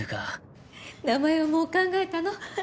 名前はもう考えたの？